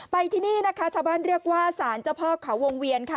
ที่นี่นะคะชาวบ้านเรียกว่าสารเจ้าพ่อเขาวงเวียนค่ะ